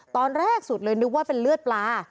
ตอนแรกสุดเลยนึกว่าเป็นเลือดปลา